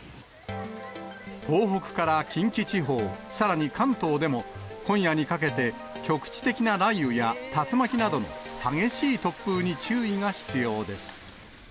東北から近畿地方、さらに関東でも、今夜にかけて、局地的な雷雨や竜巻などの激しい突風に注意が必要です。